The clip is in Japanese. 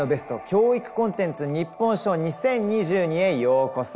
教育コンテンツ日本賞２０２２」へようこそ。